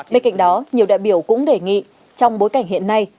bên cạnh đó nhiều đại biểu cũng đề nghị trong bối cảnh hiện nay